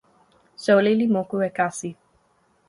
soweli li moku e kasi.